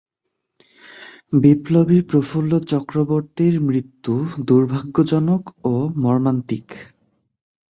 বিপ্লবী প্রফুল্ল চক্রবর্তীর মৃত্যু দুর্ভাগ্যজনক ও মর্মান্তিক।